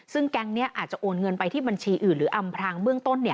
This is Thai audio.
ซึ่งแก๊งนี้อาจจะโอนเงินไปที่บัญชีอื่นหรืออำพรางเบื้องต้น